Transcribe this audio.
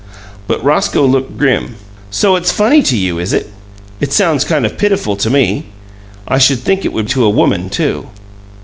But Roscoe looked grim. "So it's funny to you, is it? It sounds kind of pitiful to me. I should think it would to a woman, too."